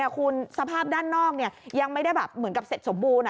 คุณสภาพด้านนอกยังไม่ได้แบบเหมือนกับเสร็จสมบูรณ์